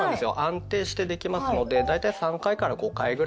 安定してできますのでだいたい３５回ぐらい。